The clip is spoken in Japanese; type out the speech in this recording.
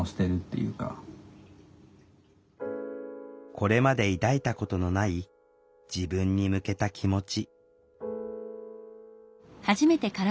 これまで抱いたことのない自分に向けた気持ち。